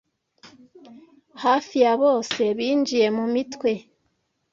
hafi ya bose binjiye mu mitwe